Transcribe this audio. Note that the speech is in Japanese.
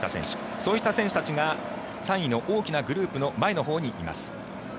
そういった選手たちが３位の大きなグループの前のほうにいます。